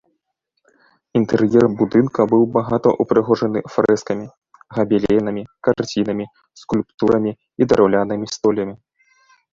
Інтэр'ер будынка быў багата ўпрыгожаны фрэскамі, габеленамі, карцінамі, скульптурамі і драўлянымі столямі.